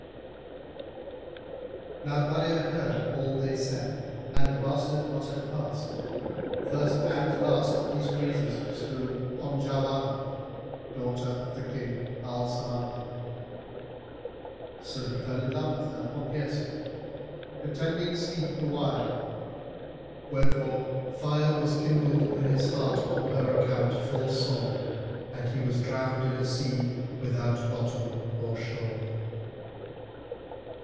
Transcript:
Now Badr heard all they said and mastered what had passed, first and last, of these praises bestowed on Jauharah daughter of King Al Samandal; so he fell in love with her on hearsay, pretending sleep the while, wherefore fire was kindled in his heart on her account full sore and he was drowned in a sea without bottom or shore.